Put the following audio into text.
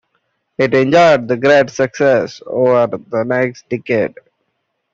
It enjoyed great success over the next decade.